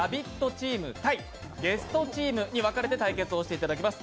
チーム対ゲストチームに分かれて対決をしていただきます。